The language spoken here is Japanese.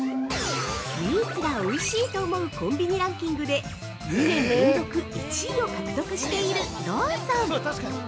「スイーツが美味しいと思うコンビニランキング」で２年連続１位を獲得しているローソン。